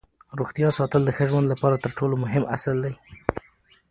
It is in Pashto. روغتیا ساتل د ښه ژوند لپاره تر ټولو مهم اصل دی